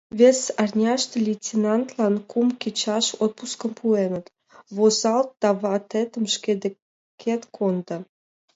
Вес арняште лейтенантлан кум кечаш отпускым пуэныт: возалт да ватетым шке декет кондо.